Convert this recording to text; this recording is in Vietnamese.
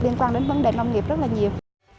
liên quan đến vấn đề nông nghiệp rất là nhiều